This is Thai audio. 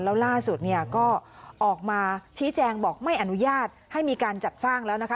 แล้วล่าสุดเนี่ยก็ออกมาชี้แจงบอกไม่อนุญาตให้มีการจัดสร้างแล้วนะคะ